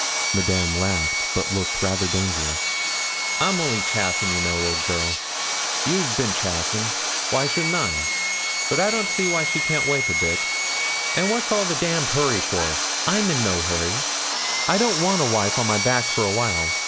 Madame laughed, but looked rather dangerous. 'I'm only chaffin', you know, old girl. You've bin chaffin' w'y shouldn't I? But I don't see why she can't wait a bit; and what's all the d d hurry for? I'm in no hurry. I don't want a wife on my back for a while.